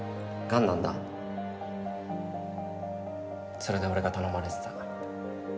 それで俺が頼まれてた。